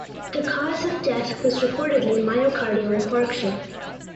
The cause of death was reportedly myocardial infarction.